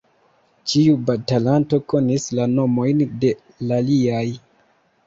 Ĉiu batalanto konis la nomojn de l' aliaj.